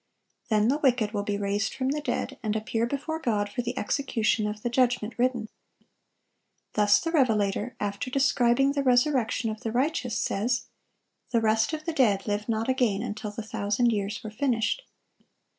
Then the wicked will be raised from the dead, and appear before God for the execution of "the judgment written." Thus the revelator, after describing the resurrection of the righteous, says, "The rest of the dead lived not again until the thousand years were finished."